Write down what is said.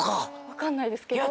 分かんないですけど。